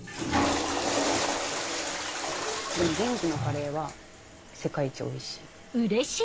でも元気のカレーは世界一おいしい。